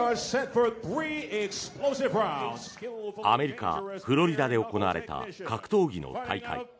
アメリカ・フロリダで行われた格闘技の大会。